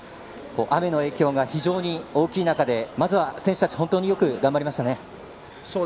雨の影響が非常に大きい中で、まずは選手たちよく頑張りましたね。